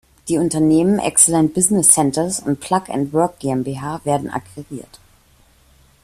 Die Unternehmen "Excellent Business Centers" und "Plug and Work GmbH" werden akquiriert.